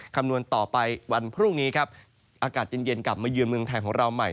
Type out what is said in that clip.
คำนวณต่อไปวันพรุ่งนี้ครับอากาศเย็นกลับมาเยือนเมืองไทยของเราใหม่